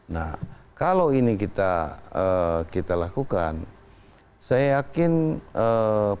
nah kalau ini kita lakukan saya yakin